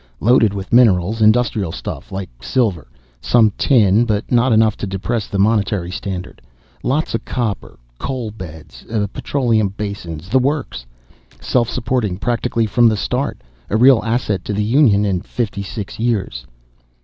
Loaded with minerals industrial stuff, like silver. Some tin, but not enough to depress the monetary standard. Lots of copper. Coal beds, petroleum basins, the works. Self supporting practically from the start, a real asset to the Union in fifty six years."